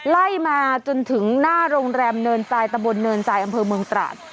ไล่มาจนถึงหน้าโรงแรมเนินทรายตะบนเนินทรายอำเภอเมืองตราด